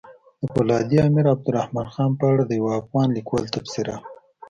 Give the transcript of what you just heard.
د فولادي امير عبدالرحمن خان په اړه د يو افغان ليکوال تبصره!